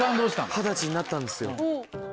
二十歳になったんですよ。